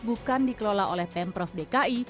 bukan dikelola oleh pemprov dki